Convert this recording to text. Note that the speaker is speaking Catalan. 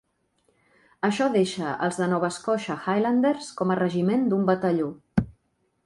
Això deixa els The Nova Scotia Highlanders com a regiment d'un batalló.